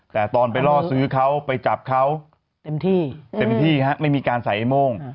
แต่ตอนไปรอซื้อเขาไปจับเขาเต็มที่ไม่มีการใส่ไอ้โม่ง